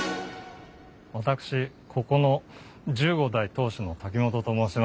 私ここの十五代当主の瀧本と申します。